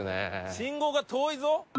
信号が遠いぞ。